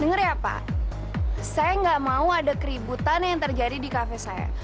dengar ya pak saya gak mau ada keributan yang terjadi di kafe saya